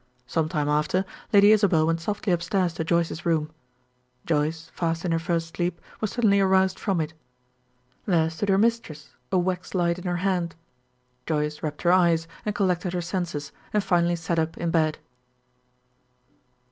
Some time after, Lady Isabel went softly upstairs to Joyce's room. Joyce, fast in her first sleep, was suddenly aroused from it. There stood her mistress, a wax light in her hand. Joyce rubbed her eyes, and collected her senses, and finally sat up in bed.